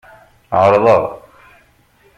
Ɛeṛḍeɣ.